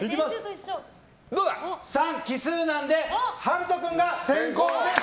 ３、奇数なので陽斗君が先攻です。